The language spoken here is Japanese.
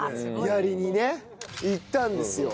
やりにね行ったんですよ。